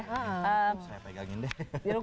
saya pegangin deh